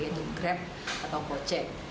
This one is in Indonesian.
yaitu grab atau bocek